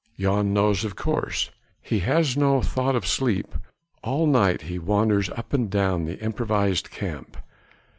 Jan knows of course. He has no thought of sleep, all night he wanders up and down the improvised camp.